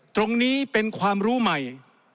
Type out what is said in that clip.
ตรงนี้เป็นความรู้ใหม่